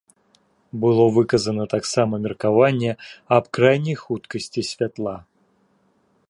Было выказана таксама меркаванне аб крайняй хуткасці святла.